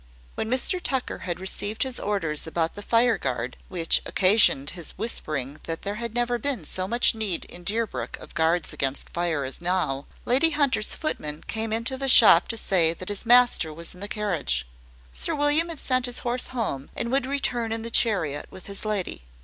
When Mr Tucker had received his orders about the fire guard (which occasioned his whispering that there had never been so much need in Deerbrook of guards against fire as now), Lady Hunter's footman came into the shop to say that his master was in the carriage. Sir William had sent his horse home, and would return in the chariot with his lady.